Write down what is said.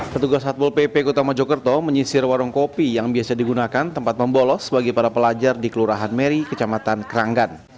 petugas satpol pp kota mojokerto menyisir warung kopi yang biasa digunakan tempat membolos bagi para pelajar di kelurahan meri kecamatan keranggan